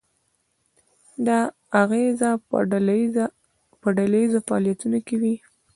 دا اغیزه په ډله ییزو فعالیتونو وي.